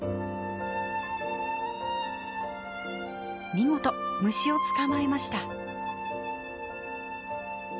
見事虫を捕まえました。